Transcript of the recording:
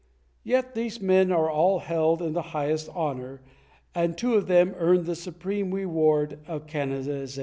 ^ Yet these men were all held in the highest honor, and two of them earned the supreme reward of canonization.